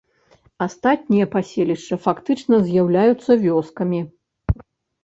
Астатнія паселішчы фактычна з'яўляюцца вёскамі.